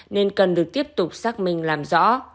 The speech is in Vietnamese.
nên cần được tiếp tục xác minh làm rõ